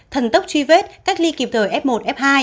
thần tốc truy vết cách ly kịp thời f một f hai